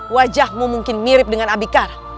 wajahmu mungkin mirip dengan abicar